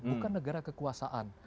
bukan negara kekuasaan